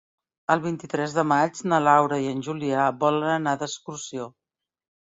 El vint-i-tres de maig na Laura i en Julià volen anar d'excursió.